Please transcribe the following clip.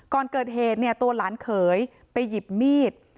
ก่อนเกิดเหตุเนี่ยตัวหลานเขยไปหยิบมีด